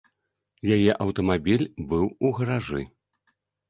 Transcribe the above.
Яе аўтамабіль быў у гаражы.